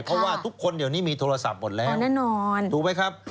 เพราะว่าทุกคนเดี๋ยวนี้มีโทรศัพท์หมดแล้วแน่นอนถูกไหมครับ